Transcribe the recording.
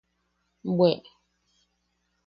¡Bwe!